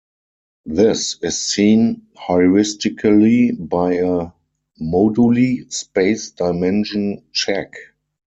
This is seen heuristically by a moduli space dimension check.